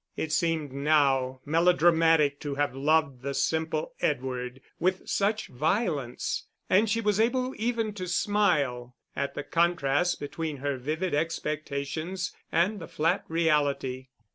It seemed now melodramatic to have loved the simple Edward with such violence, and she was able even to smile at the contrast between her vivid expectations and the flat reality.